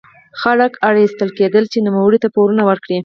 خلک اړ ایستل کېدل چې نوموړي ته پورونه ورکړي.